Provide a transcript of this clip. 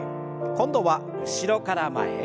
今度は後ろから前へ。